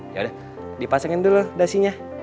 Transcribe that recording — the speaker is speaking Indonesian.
yaudah dipasangin dulu dasinya